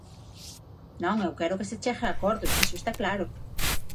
Non, eu quero que se chegue a acordos, iso está claro.